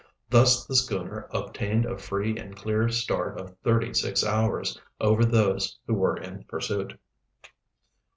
Thus the schooner obtained a free and clear start of thirty six hours over those who were in pursuit.